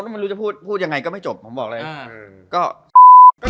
มันรู้จะพูดยังไงเนี่ยก็ไม่จบผมบอกเลย